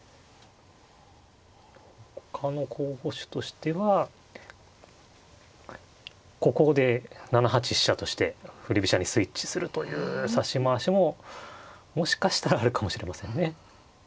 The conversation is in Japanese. ほかの候補手としてはここで７八飛車として振り飛車にスイッチするという指し回しももしかしたらあるかもしれませんね。